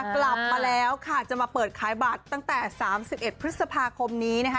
กลับมาแล้วค่ะจะมาเปิดขายบัตรตั้งแต่๓๑พฤษภาคมนี้นะคะ